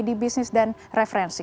di bisnis dan referensi